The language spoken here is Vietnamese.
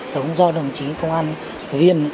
đóng do đồng chí công an viên